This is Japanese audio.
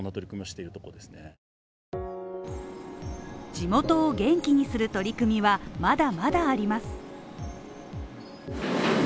地元を元気にする取り組みはまだまだあります。